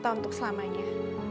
atau untuk selamanya